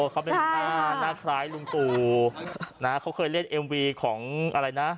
หน้าคล้ายลุงตูนะเค้าเคยเล่นเอ็มวีของอะไรนะ